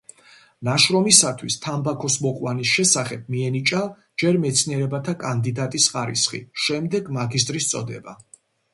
ნაშრომისათვის „თამბაქოს მოყვანის შესახებ“ მიენიჭა ჯერ მეცნიერებათა კანდიდატის ხარისხი, შემდეგ მაგისტრის წოდება.